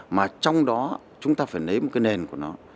mà trong đó chúng ta phải lấy một cái nền của nó